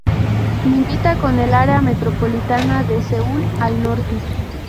Limita con el área metropolitana de Seúl, al norte.